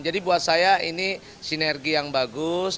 jadi buat saya ini sinergi yang bagus